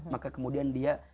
maka kemudian dia